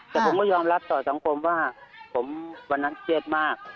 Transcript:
แต่ผมก็ยอมรับต่อสังคมว่าผมวันนั้นเครียดมาก